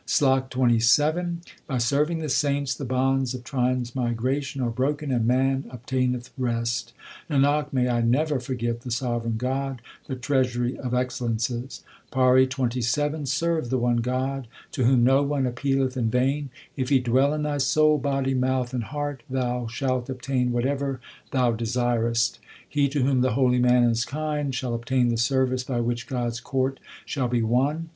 SLOK XXVII By serving the saints the bonds of transmigration are broken, and man obtaineth rest : Nanak, may I never forget the sovereign God, the treasury of excellences ! PAURI XXVII Serve the one God to whom no one appealeth in vain ; If He dwell in thy soul, body, mouth, and heart, thou shalt obtain whatever thou desirest. He to whom the holy man is kind, shall obtain the service by which God s court shall be won.